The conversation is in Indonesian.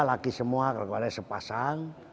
laki semua kang badai sepasang